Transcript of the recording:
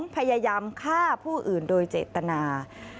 พยายามฆ่าผู้อื่นโดยเจตนา